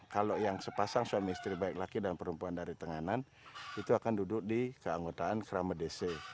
kalau yang sepasang suami istri baik laki dan perempuan dari tenganan itu akan duduk di keanggotaan kerama dc